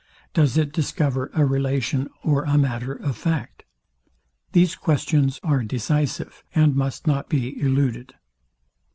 Does it discover a relation or a matter of fact? These questions are decisive, and must not be eluded.